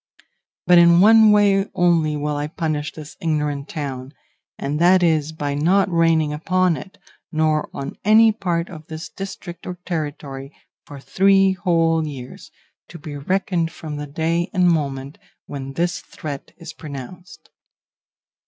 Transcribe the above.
But in one way only will I punish this ignorant town, and that is by not raining upon it, nor on any part of its district or territory, for three whole years, to be reckoned from the day and moment when this threat is pronounced.